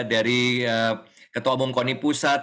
dari ketua umum koni pusat